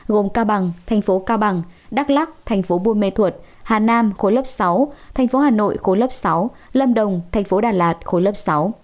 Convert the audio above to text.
gồm cao bằng thành phố cao bằng đắk lắc thành phố buôn mê thuột hà nam khối lớp sáu thành phố hà nội khối lớp sáu lâm đồng thành phố đà lạt khối lớp sáu